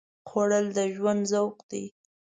خوړل د ژوند ذوق دی